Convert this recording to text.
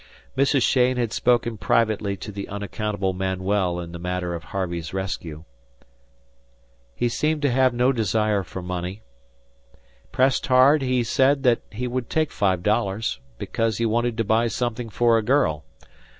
Mrs. Cheyne had spoken privately to the unaccountable Manuel in the matter of Harvey's rescue. He seemed to have no desire for money. Pressed hard, he said that he would take five dollars, because he wanted to buy something for a girl.